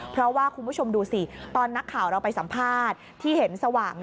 เพราะว่าคุณผู้ชมดูสิตอนนักข่าวเราไปสัมภาษณ์